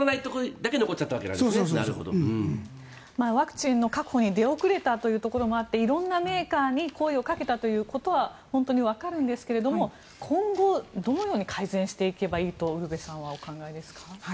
ワクチンの確保に出遅れたというところもあって色んなメーカーに声をかけたということは本当にわかるんですが今後、どのように改善していけばいいとウルヴェさんはお考えですか？